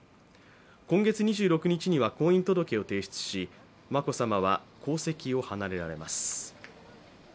今月２６日には婚姻届を提出し眞子さまは皇籍を離れられます。